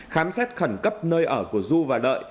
khám xét khẩn cấp nơi ở của du và đợi